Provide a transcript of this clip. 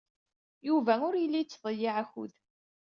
Yuba ur yelli yettḍeyyiɛ akud.